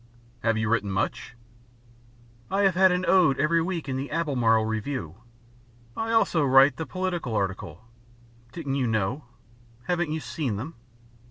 "Have you written much?" "I have an ode every week in the Albemarle Review. I also write the political article. Didn't you know? Haven't you seen them?"